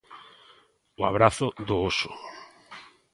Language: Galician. O abrazo do oso.